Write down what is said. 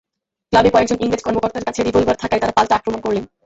ক্লাবে কয়েকজন ইংরেজ কর্মকর্তার কাছে রিভলবার থাকায় তাঁরা পাল্টা আক্রমণ করলেন।